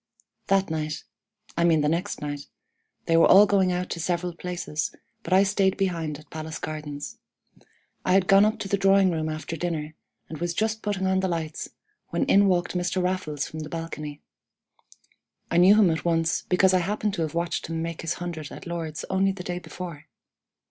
"That night I mean the next night they were all going out to several places, but I stayed behind at Palace Gardens. I had gone up to the drawing room after dinner, and was just putting on the lights, when in walked Mr. Raffles from the balcony. I knew him at once, because I happened to have watched him make his hundred at Lord's only the day before.